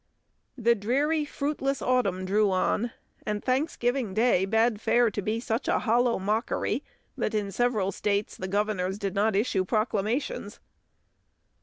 The dreary, fruitless autumn drew on; and Thanksgiving Day bade fair to be such a hollow mockery that in several states the governors did not issue proclamations.